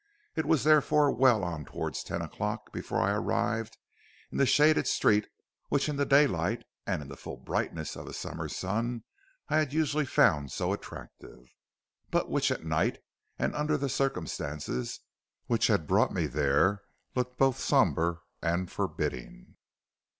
It was therefore well on towards ten o'clock before I arrived in the shaded street which in the daylight and in the full brightness of a summer's sun I had usually found so attractive, but which at night and under the circumstances which had brought me there looked both sombre and forbidding.